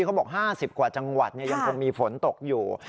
เขาบอก๕๐กว่าจังหวัดยังคงมีฝนตกอยู่